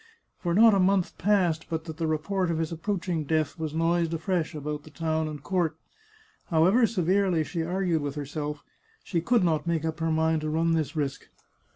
For not a month passed but that the report of his approaching death was noised afresh about the town and court. However severely she argued with herself, she could not make up her mind to run this risk.